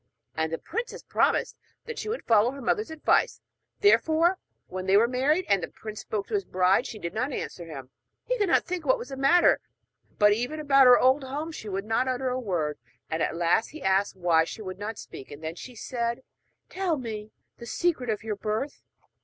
And the princess promised that she would follow her mother's advice. Therefore when they were married, and the prince spoke to his bride, she did not answer him. He could not think what was the matter, but even about her old home she would not utter a word. At last he asked why she would not speak; and then she said: 'Tell me the secret of your birth.'